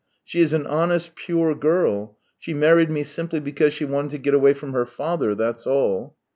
She is an honest, pure girl. She married me simply because she wanted to get away from her father, that's all."